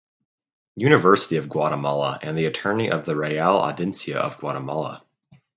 University of Guatemala and the Attorney of the Real Audiencia of Guatemala.